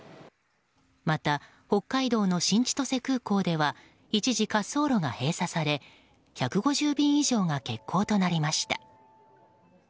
また北海道の新千歳空港では一時、滑走路が閉鎖され１５０便以上が欠航となりました。